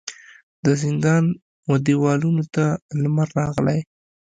د زندان و دیوالونو ته لمر راغلی